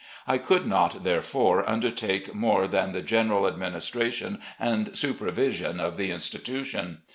I could not, therefore, undertake more than the general administration and supervision of the institution.